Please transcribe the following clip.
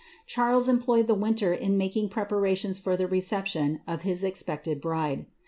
* Charles employed the winter in making preparations for the receptioa of his expected bride.